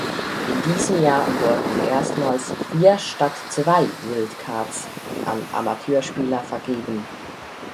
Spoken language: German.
In diesem Jahr wurden erstmals vier statt zwei Wildcards an Amateurspieler vergeben.